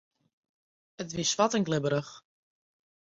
It wie swart en glibberich.